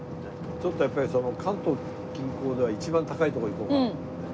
ちょっとやっぱり関東近郊では一番高いところ行こうかなと思って。